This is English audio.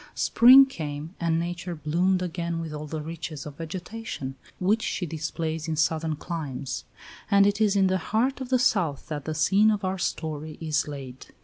Spring came, and nature bloomed again with all the richness of vegetation which she displays in southern climes; and it is in the heart of the South that the scene of our story is laid.